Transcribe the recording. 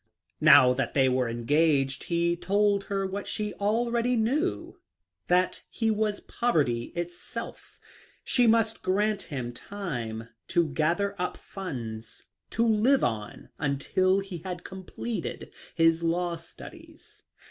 Now that they were engaged he told her what she already knew, that he was poverty itself. She must grant him time to gather up funds to live on until he had completed his law studies.